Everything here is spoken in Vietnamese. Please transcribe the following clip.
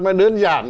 mà đơn giản